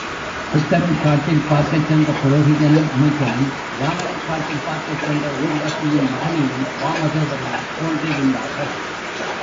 புத்தரைக் காட்டில் பார்க்கச் சென்ற புரோகிதனும் அமைச்சனும் இராமனைக் காட்டில் பார்க்கச் சென்ற ஊர்வசியின் மகனையும் வாமதேவரையும் போன்றிருந்தார்கள்.